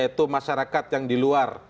yaitu masyarakat yang di luar